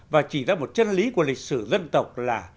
và chỉ ra một chân lý của lịch sử dân tộc là